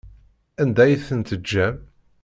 Anda ay ten-tejjam?